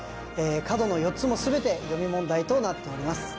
角の４つも全て読み問題となっております